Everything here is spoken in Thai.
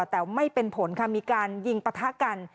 แต่ไม่เป็นผลค่ะมีการยิงปะทะกัน